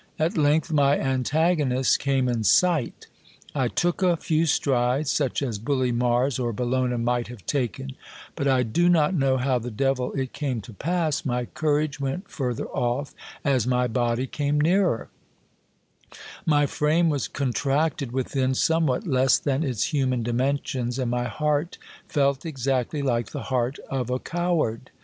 At length my antagonist came in sight. I took a few strides, such as bully Mars or Bellona might have taken ; but I do not know how the devil it came to pass, my courage went further off as my body came nearer ; my frame was contracted within somewhat less than its human dimensions, and my heart felt exactly like the heart of a coward.